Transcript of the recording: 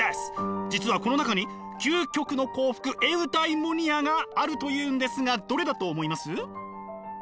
実はこの中に究極の幸福エウダイモニアがあるというんですがどれだと思います？